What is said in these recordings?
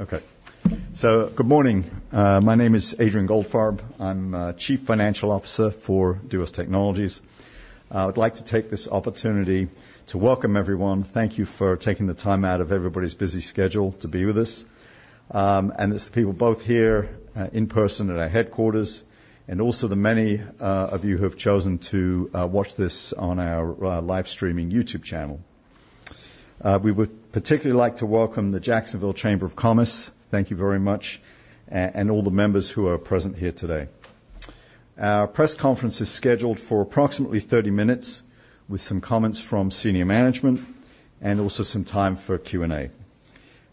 Okay. So, good morning. My name is Adrian Goldfarb. I'm Chief Financial Officer for Duos Technologies. I'd like to take this opportunity to welcome everyone. Thank you for taking the time out of everybody's busy schedule to be with us. It's the people both here in person at our headquarters and also the many of you who have chosen to watch this on our live streaming YouTube channel. We would particularly like to welcome the Jacksonville Chamber of Commerce. Thank you very much. And all the members who are present here today. Our press conference is scheduled for approximately 30 minutes with some comments from senior management and also some time for Q&A.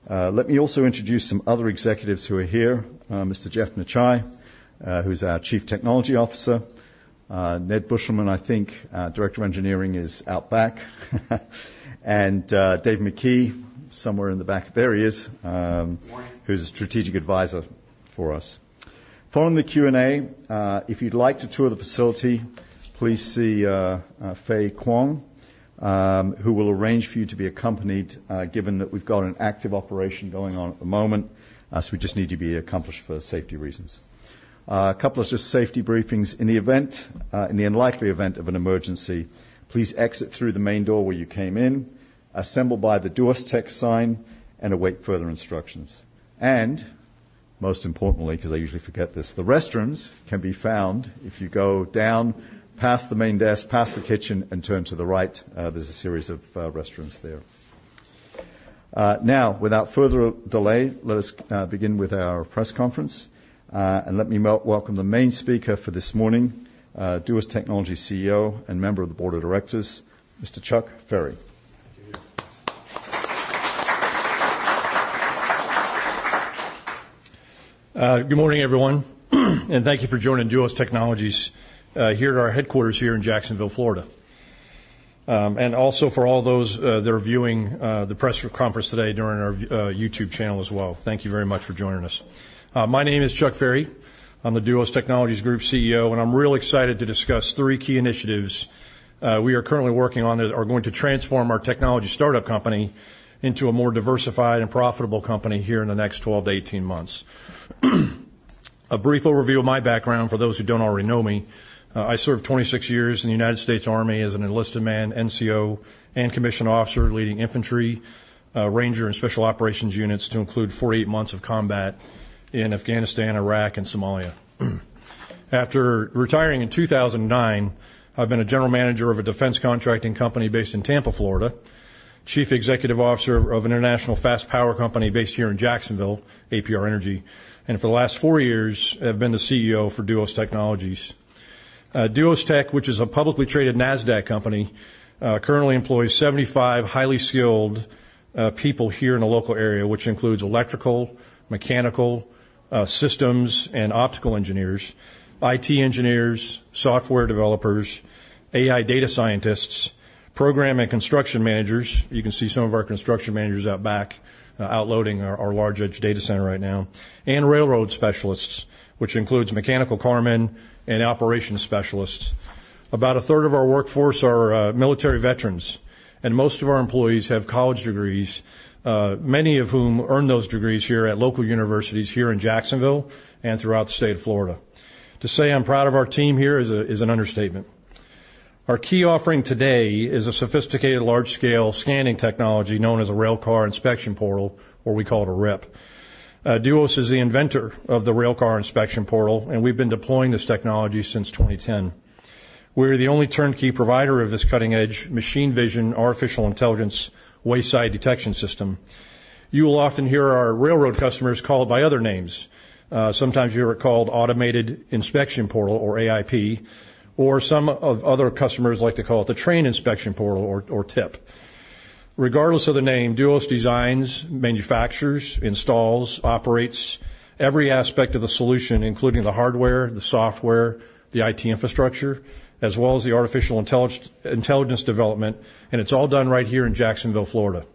Let me also introduce some other executives who are here. Mr. Jeff Necciai, who's our Chief Technology Officer. Ned Buschelman, I think, Director of Engineering, is out back. And Dave McKee, somewhere in the back. There he is. Um, who's a strategic advisor for us. Following the Q&A, uh if you'd like to tour the facility, please see uh Fei Kwong, who will arrange for you to be accompanied, given that we've got an active operation going on at the moment, so we just need to be accompanied for safety reasons. A couple of just safety briefings. In the event, in the unlikely event of an emergency, please exit through the main door where you came in, assemble by the Duos Tech sign, and await further instructions. And most importantly, because I usually forget this, the restrooms can be found if you go down past the main desk, past the kitchen, and turn to the right. There's a series of restrooms there. Uh now, without further delay, let us begin with our press conference. Let me welcome the main speaker for this morning, uh Duos Technologies CEO and member of the Board of Directors, Mr. Chuck Ferry. Good morning, everyone. Thank you for joining Duos Technologies here at our headquarters here in Jacksonville, Florida. And also for all those that are viewing the press conference today on our YouTube channel as well. Thank you very much for joining us. Uh, my name is Chuck Ferry. I'm the Duos Technologies Group CEO, and I'm real excited to discuss three key initiatives we are currently working on that are going to transform our technology startup company into a more diversified and profitable company here in the next 12-18 months. A brief overview of my background for those who don't already know me. I served 26 years in the United States Army as an enlisted man, NCO, and commissioned officer leading infantry, ranger, and special operations units to include 48 months of combat in Afghanistan, Iraq, and Somalia. After retiring in 2009, I've been a general manager of a defense contracting company based in Tampa, Florida, Chief Executive Officer of an international fast power company based here in Jacksonville, APR Energy. For the last 4 years, I've been the CEO for Duos Technologies. Duos Tech, which is a publicly traded Nasdaq company, currently employs 75 highly skilled people here in the local area, which includes electrical, mechanical, systems, and optical engineers, IT engineers, software developers, AI data scientists, program and construction managers. You can see some of our construction managers out back outloading our large edge data center right now, and railroad specialists, which includes mechanical carmen and operations specialists. About a third of our workforce are military veterans, and most of our employees have college degrees, uh many of whom earned those degrees here at local universities here in Jacksonville and throughout the state of Florida. To say I'm proud of our team here is an understatement. Our key offering today is a sophisticated large-scale scanning technology known as a Railcar Inspection Portal, or we call it a RIP. Duos is the inventor of the railcar inspection portal, and we've been deploying this technology since 2010. We're the only turnkey provider of this cutting-edge machine vision, artificial intelligence, wayside detection system. You will often hear our railroad customers call it by other names. Sometimes you hear it called Automated Inspection Portal, or AIP, or some of other customers like to call it the Train Inspection Portal, or TIP. Regardless of the name, Duos designs, manufactures, installs, operates every aspect of the solution, including the hardware, the software, the IT infrastructure, as well as the artificial intelligence development. And it's all done right here in Jacksonville, Florida.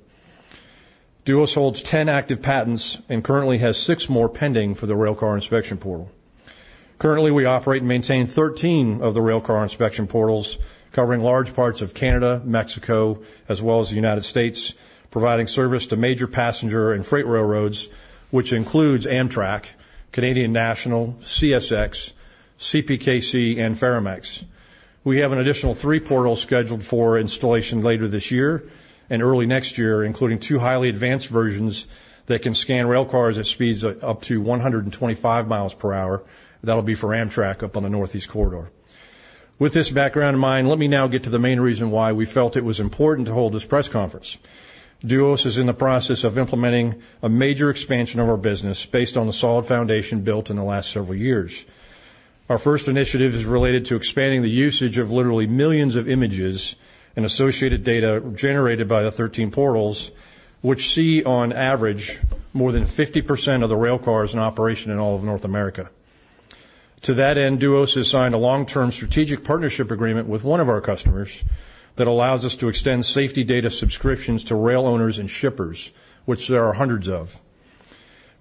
Duos holds 10 active patents and currently has 6 more pending for the railcar inspection portal. Currently, we operate and maintain 13 of the railcar inspection portals covering large parts of Canada, Mexico, as well as the United States, providing service to major passenger and freight railroads, which includes Amtrak, Canadian National, CSX, CPKC, and Ferromex. We have an additional 3 portals scheduled for installation later this year and early next year, including two highly advanced versions that can scan railcars at speeds up to 125 miles per hour. That'll be for Amtrak up on the Northeast Corridor. With this background in mind, let me now get to the main reason why we felt it was important to hold this press conference. Duos is in the process of implementing a major expansion of our business based on the solid foundation built in the last several years. Our first initiative is related to expanding the usage of literally millions of images and associated data generated by the 13 portals, which see on average more than 50% of the railcars in operation in all of North America. To that end, Duos has signed a long-term strategic partnership agreement with one of our customers that allows us to extend safety data subscriptions to rail owners and shippers, which there are hundreds of.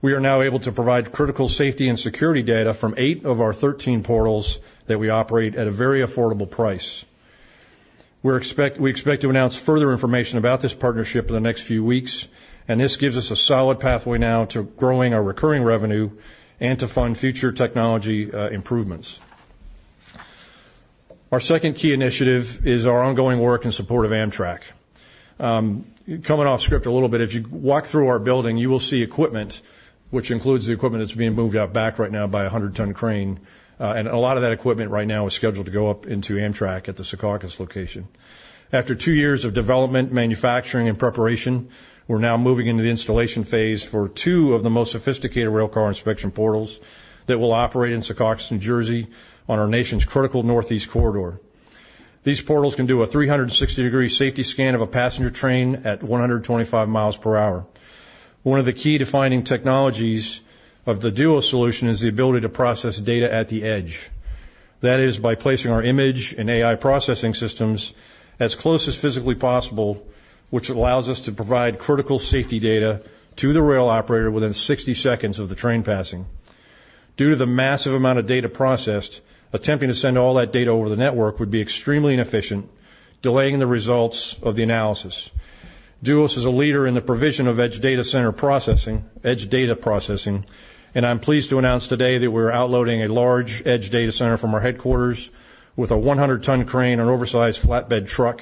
We are now able to provide critical safety and security data from eight of our 13 portals that we operate at a very affordable price. We expect to announce further information about this partnership in the next few weeks, and this gives us a solid pathway now to growing our recurring revenue and to fund future technology improvements. Our second key initiative is our ongoing work in support of Amtrak. Um, coming off script a little bit, if you walk through our building, you will see equipment, which includes the equipment that's being moved out back right now by a 100-ton crane. A lot of that equipment right now is scheduled to go up into Amtrak at the Secaucus location. After two years of development, manufacturing, and preparation, we're now moving into the installation phase for two of the most sophisticated railcar inspection portals that will operate in Secaucus, New Jersey, on our nation's critical Northeast Corridor. These portals can do a 360-degree safety scan of a passenger train at 125 miles per hour. One of the key defining technologies of the Duos solution is the ability to process data at the edge. That is, by placing our image and AI processing systems as close as physically possible, which allows us to provide critical safety data to the rail operator within 60 seconds of the train passing. Due to the massive amount of data processed, attempting to send all that data over the network would be extremely inefficient, delaying the results of the analysis. Duos is a leader in the provision of edge data center processing, edge data processing. And I'm pleased to announce today that we're outloading a large edge data center from our headquarters with a 100-ton crane and oversized flatbed truck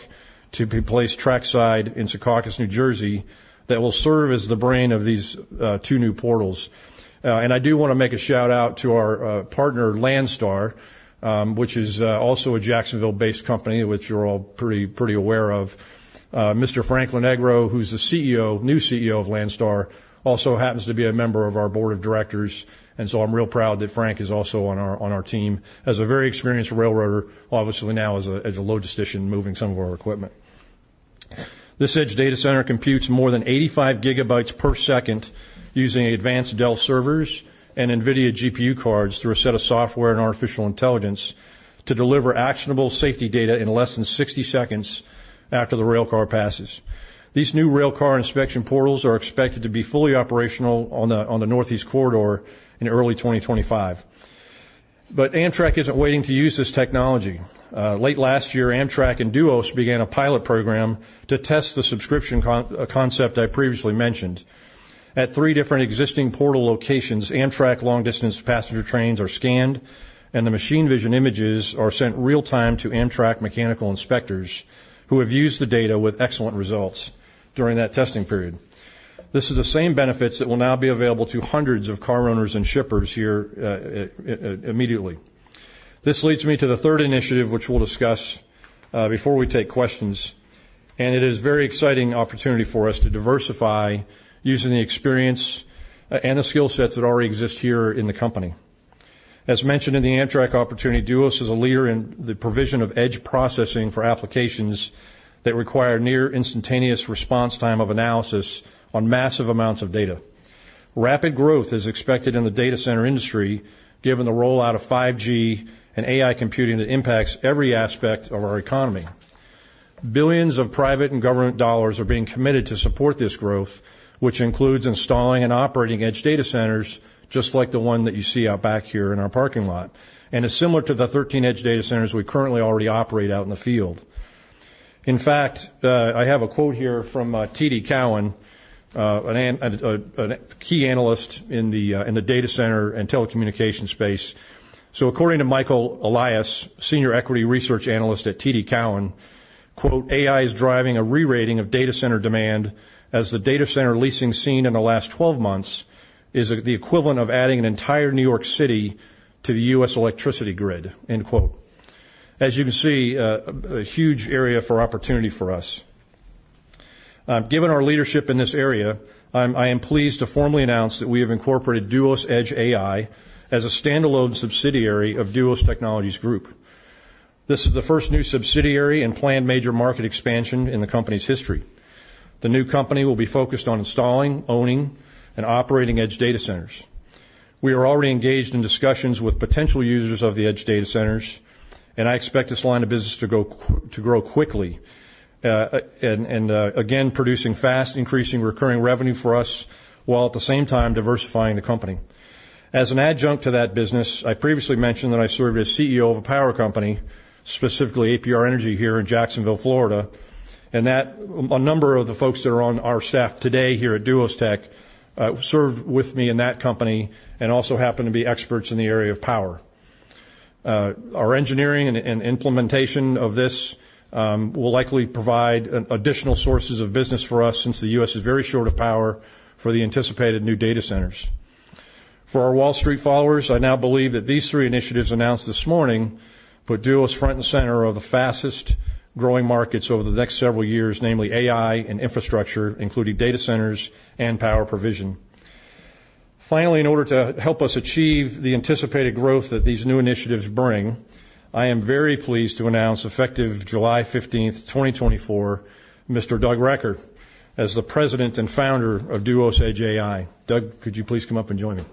to be placed trackside in Secaucus, New Jersey, that will serve as the brain of these two new portals. And I do want to make a shout-out to our partner, Landstar, um which is also a Jacksonville-based company, which you're all pretty aware of. Mr. Frank Lonegro, who's the CEO, new CEO of Landstar, also happens to be a member of our board of directors. And so I'm real proud that Frank is also on our team as a very experienced railroader, obviously now as a logistician moving some of our equipment. This edge data center computes more than 85 GB per second using advanced Dell servers and NVIDIA GPU cards through a set of software and artificial intelligence to deliver actionable safety data in less than 60 seconds after the railcar passes. These new railcar inspection portals are expected to be fully operational on the Northeast Corridor in early 2025. But Amtrak isn't waiting to use this technology. Uh, late last year, Amtrak and Duos began a pilot program to test the subscription concept I previously mentioned. At three different existing portal locations, Amtrak long-distance passenger trains are scanned, and the machine vision images are sent real-time to Amtrak mechanical inspectors who have used the data with excellent results during that testing period. This is the same benefits that will now be available to hundreds of car owners and shippers here immediately. This leads me to the third initiative, which we'll discuss before we take questions. It is a very exciting opportunity for us to diversify using the experience and the skill sets that already exist here in the company. As mentioned in the Amtrak opportunity, Duos is a leader in the provision of edge processing for applications that require near instantaneous response time of analysis on massive amounts of data. Rapid growth is expected in the data center industry given the rollout of 5G and AI computing that impacts every aspect of our economy. Billions of private and government dollars are being committed to support this growth, which includes installing and operating edge data centers just like the one that you see out back here in our parking lot. It's similar to the 13 edge data centers we currently already operate out in the field. In fact, I have a quote here from TD Cowen, a key analyst in the data center and telecommunication space. So, according to Michael Elias, Senior Equity Research Analyst at TD Cowen, "AI is driving a re-rating of data center demand as the data center leasing seen in the last 12 months is the equivalent of adding an entire New York City to the U.S. electricity grid." As you can see, a huge area for opportunity for us. Given our leadership in this area, I am pleased to formally announce that we have incorporated Duos Edge AI as a standalone subsidiary of Duos Technologies Group. This is the first new subsidiary and planned major market expansion in the company's history. The new company will be focused on installing, owning, and operating edge data centers. We are already engaged in discussions with potential users of the edge data centers, and I expect this line of business to grow quickly and, again, producing fast, increasing recurring revenue for us while at the same time diversifying the company. As an adjunct to that business, I previously mentioned that I served as CEO of a power company, specifically APR Energy here in Jacksonville, Florida. And that a number of the folks that are on our staff today here at Duos Tech served with me in that company and also happened to be experts in the area of power. Our engineering and implementation of this will likely provide additional sources of business for us since the U.S. is very short of power for the anticipated new data centers. For our Wall Street followers, I now believe that these three initiatives announced this morning put Duos front and center of the fastest growing markets over the next several years, namely AI and infrastructure, including data centers and power provision. Finally, in order to help us achieve the anticipated growth that these new initiatives bring, I am very pleased to announce effective July 15th, 2024, Mr. Doug Recker as the president and founder of Duos Edge AI. Doug, could you please come up and join me?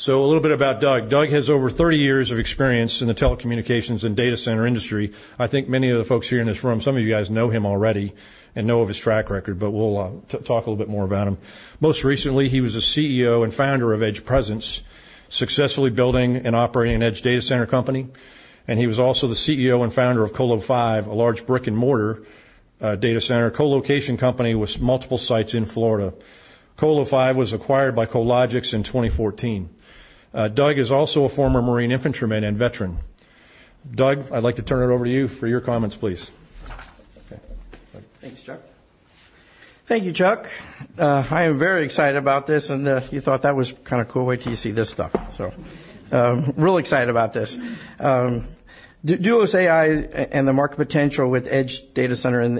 So a little bit about Doug. Doug has over 30 years of experience in the telecommunications and data center industry. I think many of the folks here in this room, some of you guys know him already and know of his track record, but we'll talk a little bit more about him. Most recently, he was the CEO and founder of EdgePresence, successfully building and operating an edge data center company. And he was also the CEO and founder of Colo5, a large brick-and-mortar data center co-location company with multiple sites in Florida. Colo5 was acquired by Cologix in 2014. Doug is also a former Marine infantryman and veteran. Doug, I'd like to turn it over to you for your comments, please. Thanks, Chuck. Thank you, Chuck. Uh, I am very excited about this, and you thought that was kind of cool. Wait till you see this stuff. So I'm real excited about this. Um, Duos Edge AI and the market potential with edge data center in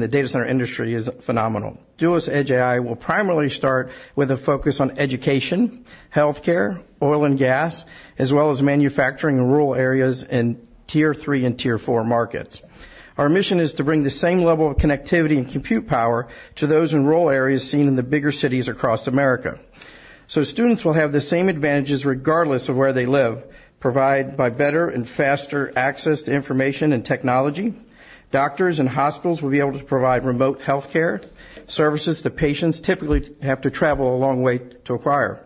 the data center industry is phenomenal. Duos Edge AI will primarily start with a focus on education, healthcare, oil and gas, as well as manufacturing in rural areas in Tier 3 and Tier 4 markets. Our mission is to bring the same level of connectivity and compute power to those in rural areas seen in the bigger cities across America. So, students will have the same advantages regardless of where they live, provide better and faster access to information and technology. Doctors and hospitals will be able to provide remote healthcare services to patients who typically have to travel a long way to acquire.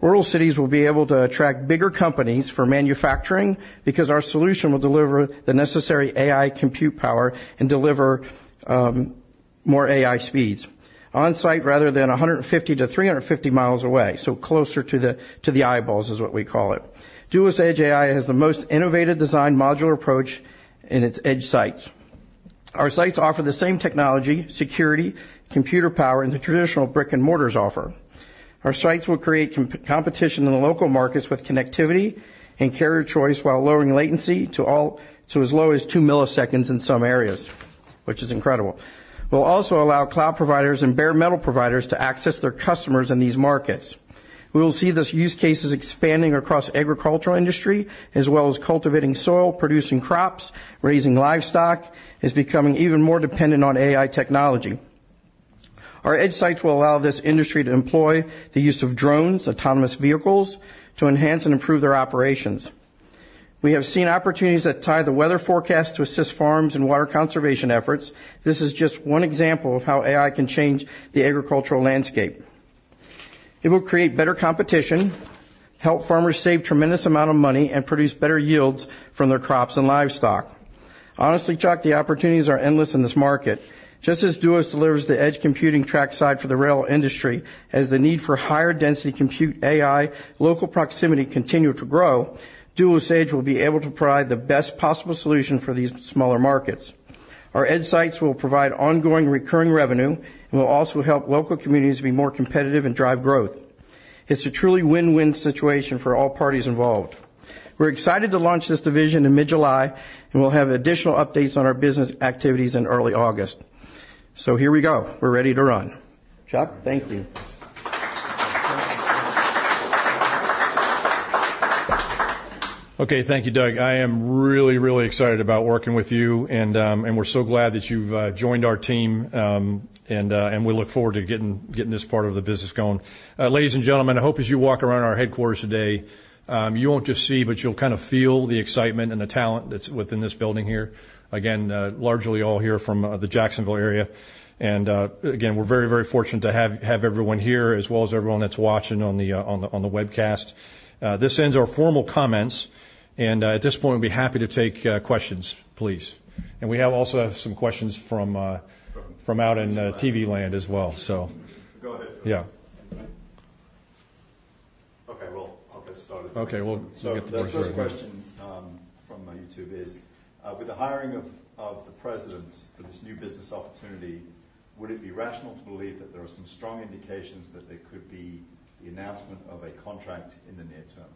Rural cities will be able to attract bigger companies for manufacturing because our solution will deliver the necessary AI compute power and deliver more, um AI speeds on-site rather than 150-350 miles away. So closer to the eyeballs is what we call it. Duos Edge AI has the most innovative design modular approach in its edge sites. Our sites offer the same technology, security, computer power and the traditional brick-and-mortar's offer. Our sites will create competition in the local markets with connectivity and carrier choice while lowering latency to as low as two milliseconds in some areas, which is incredible. We'll also allow cloud providers and bare metal providers to access their customers in these markets. We will see this use case expanding across the agricultural industry as well as cultivating soil, producing crops, raising livestock, and becoming even more dependent on AI technology. Our edge sites will allow this industry to employ the use of drones, autonomous vehicles to enhance and improve their operations. We have seen opportunities that tie the weather forecast to assist farms and water conservation efforts. This is just one example of how AI can change the agricultural landscape. It will create better competition, help farmers save a tremendous amount of money, and produce better yields from their crops and livestock. Honestly, Chuck, the opportunities are endless in this market. Just as Duos delivers the edge computing trackside for the rail industry, as the need for higher-density compute AI local proximity continues to grow, Duos Edge will be able to provide the best possible solution for these smaller markets. Our edge sites will provide ongoing recurring revenue and will also help local communities be more competitive and drive growth. It's a truly win-win situation for all parties involved. We're excited to launch this division in mid-July, and we'll have additional updates on our business activities in early August. Here we go. We're ready to run. Chuck, thank you. Okay, thank you, Doug. I am really, really excited about working with you, and we're so glad that you've joined our team, and we look forward to getting this part of the business going. Ladies and gentlemen, I hope as you walk around our headquarters today, you won't just see, but you'll kind of feel the excitement and the talent that's within this building here. Again, largely all here from the Jacksonville area. And uh again, we're very, very fortunate to have everyone here as well as everyone that's watching on the webcast. This ends our formal comments, and at this point, we'd be happy to take questions, please. And we have also some questions from uh, out in TV land as well, so. Yeah. Okay, well, I'll get started. The first question from YouTube is, with the hiring of the president for this new business opportunity, would it be rational to believe that there are some strong indications that there could be the announcement of a contract in the near term?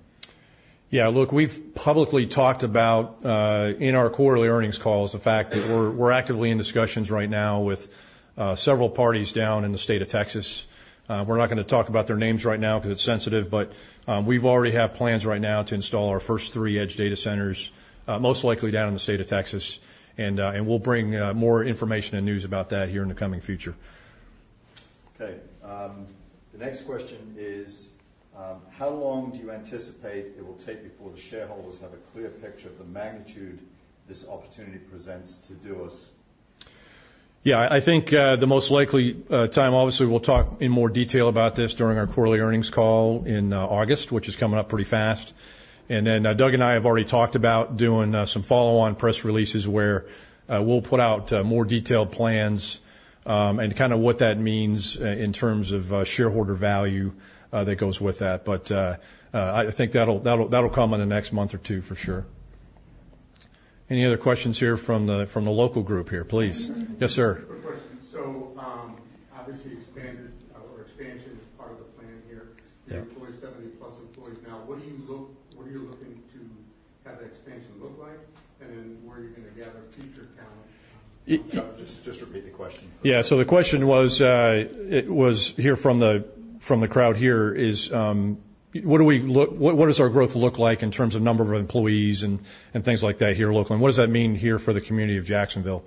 Yeah, look, we've publicly talked about uh, in our quarterly earnings calls the fact that we're actively in discussions right now with uh, several parties down in the state of Texas. We're not going to talk about their names right now because it's sensitive, but we've already had plans right now to install our first three edge data centers, most likely down in the state of Texas. And uh and we'll bring more information and news about that here in the coming future. Okay. Um, the next question is, um how long do you anticipate it will take before the shareholders have a clear picture of the magnitude this opportunity presents to Duos? Yeah, I think the most likely time, obviously, we'll talk in more detail about this during our quarterly earnings call in August, which is coming up pretty fast. And then Doug and I have already talked about doing some follow-on press releases where we'll put out more detailed plans, um and kind of what that means in terms of shareholder value that goes with that. But uh, I think that'll come in the next month or two, for sure. Any other questions here from the local group here, please? Yes, sir. [inaudible] part of the plan here. You employ 70+ employees now. What are you looking to have that expansion look like? And then where are you going to gather future talent? Just repeat the question. Yeah, so the question was uh, was here from the crowd here is, what does our growth look like in terms of number of employees and things like that here locally? And what does that mean here for the community of Jacksonville?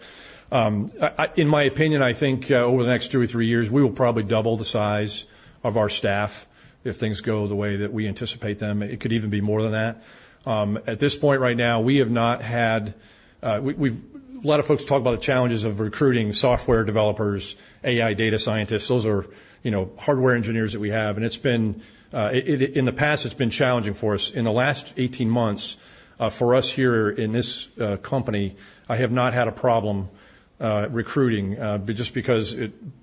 Um, in my opinion, I think over the next two or three years, we will probably double the size of our staff if things go the way that we anticipate them. It could even be more than that. Um, at this point right now, we have not had a lot of folks talk about the challenges of recruiting software developers, AI data scientists. Those are hardware engineers that we have. And it's been, uh in the past it's been challenging for us. In the last 18 months, for us here in this company, I have not had a problem uh, recruiting uh just because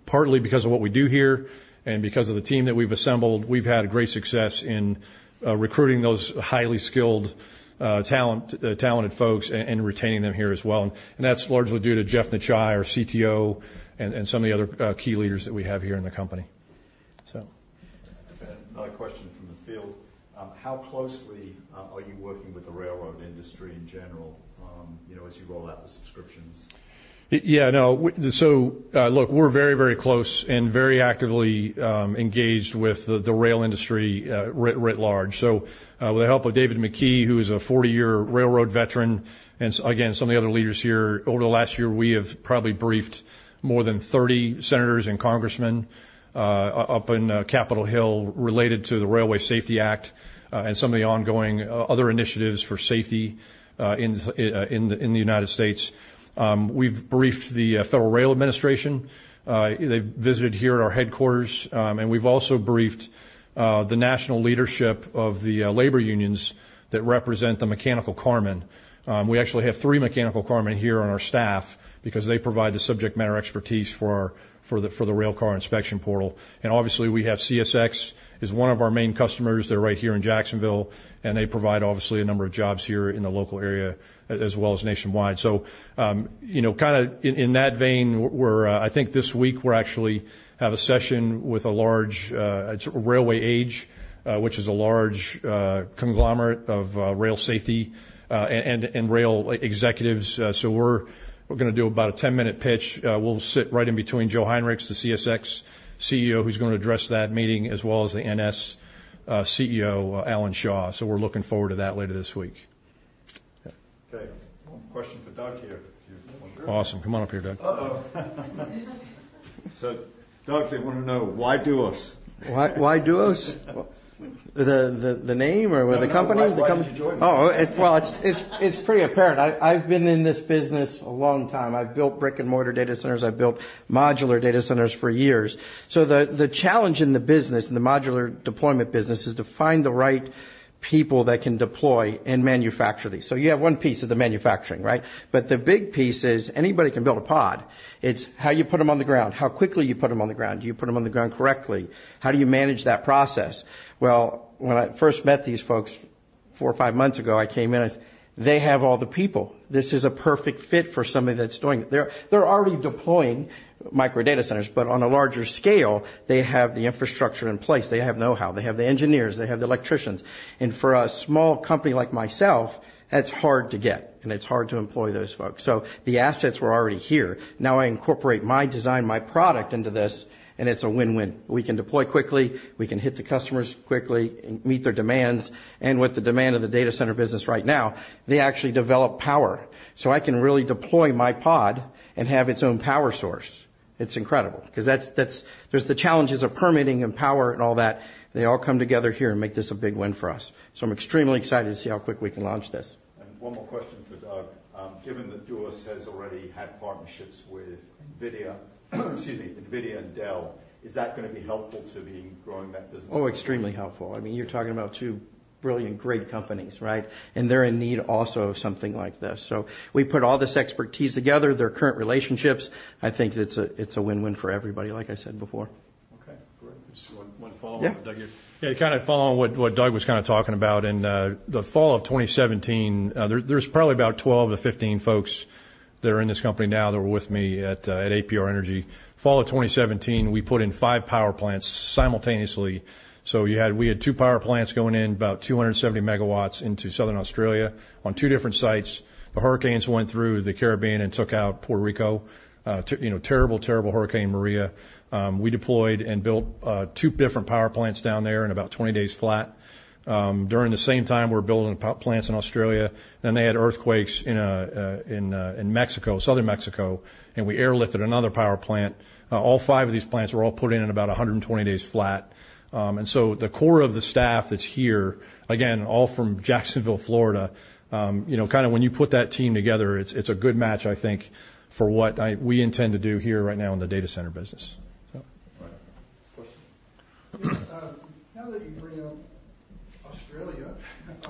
partly because of what we do here and because of the team that we've assembled. We've had great success in uh recruiting those highly skilled, talented folks and retaining them here as well. That's largely due to Jeff Necciai, our CTO, and some of the other key leaders that we have here in the company. Another question from the field. How closely are you working with the railroad industry in general, um as you roll out the subscriptions? Yeah, no. So look, we're very, very close and very actively um engaged with the rail industry writ large. So uh, with the help of David McKee, who is a 40-year railroad veteran, and again, some of the other leaders here, over the last year, we have probably briefed more than 30 senators and congressmen uh up in Capitol Hill related to the Railway Safety Act and some of the ongoing other initiatives for safety uh in the United States. Um, we've briefed the Federal Railroad Administration. Uh, they've visited here at our headquarters. Um, and we've also briefed uh the national leadership of the labor unions that represent the mechanical carmen. Um, we actually have three mechanical carmen here on our staff because they provide the subject matter expertise four our, for the railcar inspection portal. And obviously, we have CSX is one of our main customers. They're right here in Jacksonville, and they provide obviously a number of jobs here in the local area as well as nationwide. So um you know kind of in that vein, where uh, I think this week we'll actually have a session with a large uh Railway Age, which is a large conglomerate of rail safety and rail executives. So we're going to do about a 10-minute pitch. We'll sit right in between Joe Hinrichs, the CSX CEO, who's going to address that meeting, as well as the NS CEO, Alan Shaw. So we're looking forward to that later this week. Okay. One question for Doug here, if you want to. Awesome. Come on up here, Doug. Doug, they want to know, why Duos? Why Duos? The name or the company? Why did you join? Oh, well, it's pretty apparent. I've been in this business a long time. I've built brick-and-mortar data centers. I've built modular data centers for years. So the challenge in the business, in the modular deployment business, is to find the right people that can deploy and manufacture these. So you have one piece of the manufacturing, right? But the big piece is anybody can build a pod. It's how you put them on the ground, how quickly you put them on the ground. Do you put them on the ground correctly? How do you manage that process? Well, when I first met these folks four or five months ago, I came in and said, "They have all the people. This is a perfect fit for somebody that's doing it." They're already deploying micro data centers, but on a larger scale, they have the infrastructure in place. They have know-how. They have the engineers. They have the electricians. And for a small company like myself, that's hard to get, and it's hard to employ those folks. So the assets were already here. Now I incorporate my design, my product into this, and it's a win-win. We can deploy quickly. We can hit the customers quickly and meet their demands. And with the demand of the data center business right now, they actually develop power. So I can really deploy my pod and have its own power source. It's incredible because there's the challenges of permitting and power and all that. They all come together here and make this a big win for us. So I'm extremely excited to see how quick we can launch this. One more question for Doug. Given that Duos has already had partnerships with NVIDIA and Dell, is that going to be helpful to being growing that business? Oh, extremely helpful. I mean, you're talking about two brilliant, great companies, right? And they're in need also of something like this. So we put all this expertise together, their current relationships. I think it's a win-win for everybody, like I said before. Okay. Great. Just one follow-up, Doug here. Yeah, kind of following what Doug was kind of talking about. In the fall of 2017, there's probably about 12-15 folks that are in this company now that were with me at APR Energy. Fall of 2017, we put in five power plants simultaneously. So we had two power plants going in about 270 MW into southern Australia on 2 different sites. The hurricanes went through the Caribbean and took out Puerto Rico. Terrible, terrible Hurricane Maria. Um, we deployed and built two different power plants down there in about 20 days flat. Um, during the same time, we were building plants in Australia. Then they had earthquakes uh in Mexico, southern Mexico, and we airlifted another power plant. All five of these plants were all put in in about 120 days flat. Um, and so the core of the staff that's here, again, all from Jacksonville, Florida, kind of when you put that team together, it's a good match, I think, for what we intend to do here right now in the data center business.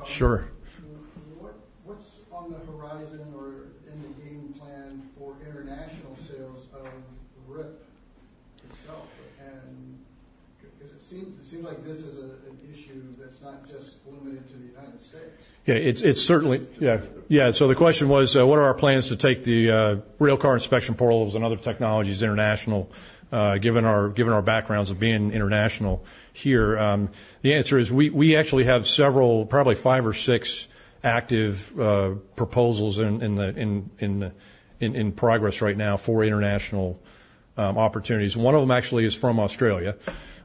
Sure. What's on the horizon or in the game plan for international sales of RIP itself? And because it seems like this is an issue that's not just limited to the United States. Yeah, it's certainly yeah. Yeah, so the question was, what are our plans to take the railcar inspection portals and other technologies international, uh given our, given our backgrounds of being international here? Um, the answer is we, we actually have several, probably five or six active uh proposals in progress right now for international opportunities. One of them actually is from Australia,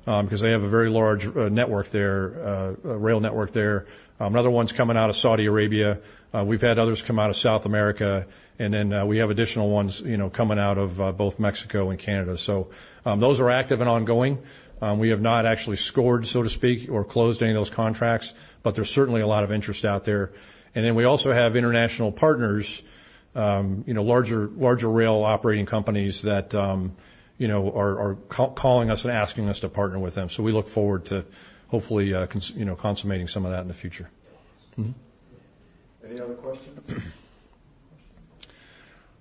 um because they have a very large network there, rail network there. Another one's coming out of Saudi Arabia. Uh, we've had others come out of South America. And then we have additional ones coming out of both Mexico and Canada. So, um those are active and ongoing. Um, we have not actually scored, so to speak, or closed any of those contracts, but there's certainly a lot of interest out there. And then we also have international partners, larger rail operating companies that um you know, are calling us and asking us to partner with them. So we look forward to hopefully consummating some of that in the future.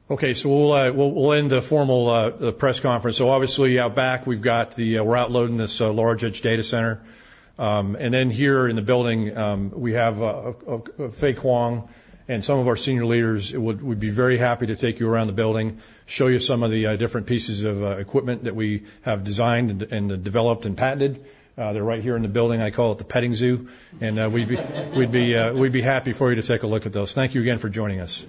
Okay, so we'll end the formal uh press conference. So obviously, out back, we've got. We're outloading this large edge data center. Um, and then here in the building, um we have uh Fei Kwong and some of our senior leaders. We'd be very happy to take you around the building, show you some of the different pieces of equipment that we have designed and developed and patented. They're right here in the building. I call it the petting zoo. And uh we'd be happy for you to take a look at those. Thank you again for joining us.